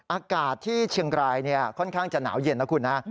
อากาศที่เชียงรายค่อนข้างจะหนาวเย็นนะคุณนะ